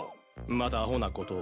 またアホなことを。